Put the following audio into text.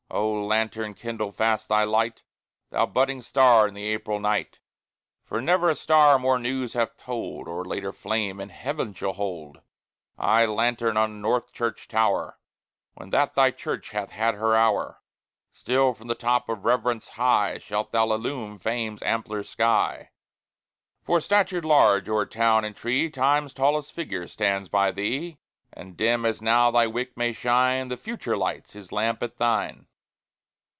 O lanthorn! kindle fast thy light, Thou budding star in the April night, For never a star more news hath told, Or later flame in heaven shall hold. Ay, lanthorn on the North Church tower, When that thy church hath had her hour, Still from the top of Reverence high Shalt thou illume Fame's ampler sky; For, statured large o'er town and tree, Time's tallest Figure stands by thee, And, dim as now thy wick may shine, The Future lights his lamp at thine.